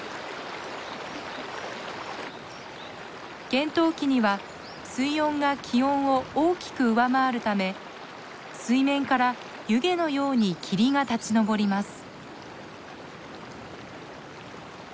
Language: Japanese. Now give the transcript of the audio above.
厳冬期には水温が気温を大きく上回るため水面から湯気のように霧が立ち上ります。